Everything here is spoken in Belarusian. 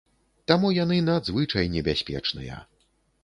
Таму яны надзвычай небяспечныя.